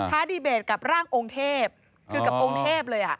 ดีเบตกับร่างองค์เทพคือกับองค์เทพเลย